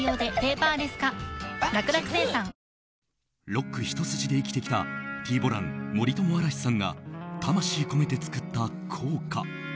ロックひと筋で生きてきたＴ‐ＢＯＬＡＮ、森友嵐士さんが魂込めて作った校歌。